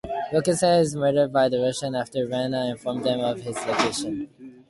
Wilkinson is murdered by the Russians after Brennan informs them of his location.